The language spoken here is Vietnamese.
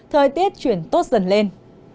thời tiết chuyển tốt dần lên